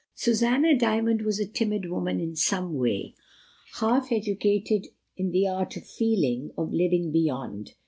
Susanna Dymond was a timid woman in some way; half educated in the art of feeling, of living beyond.